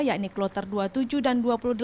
yakni kloter dua puluh tujuh dan dua puluh delapan